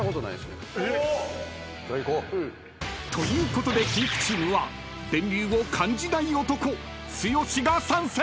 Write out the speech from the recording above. ［ということでキンキチームは電流を感じない男剛が参戦！］